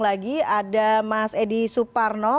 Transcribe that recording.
lagi ada mas edi suparno